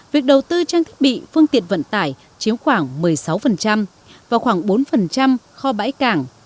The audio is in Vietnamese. việc đầu tư trang thiết bị phương tiện vận tải chiếm khoảng một mươi sáu và khoảng bốn kho bãi cảng